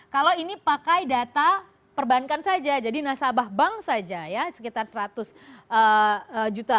kalau ini pakai data perbankan saja jadi nasabah bank saja ya sekitar seratus juta